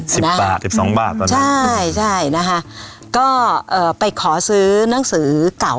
สิบบาทสิบสองบาทตอนนั้นใช่ใช่นะคะก็เอ่อไปขอซื้อหนังสือเก่า